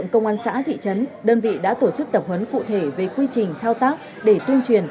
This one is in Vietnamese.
công an tỉnh nghệ an đã tổ chức tập huấn cụ thể về quy trình thao tác để tuyên truyền